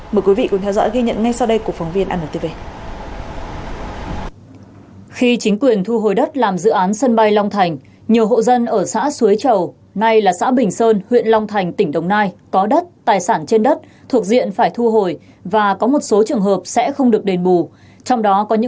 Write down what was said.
mời quý vị cùng theo dõi ghi nhận ngay sau đây của phóng viên antv